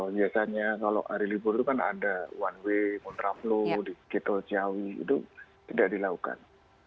biasanya kalau hari libur itu kan ada one way contraflow digital ciawi itu tidak dilakukan